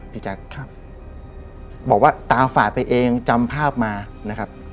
แจ๊คบอกว่าตาฝาดไปเองจำภาพมานะครับ